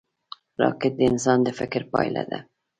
راکټ د انسان د فکر پایله ده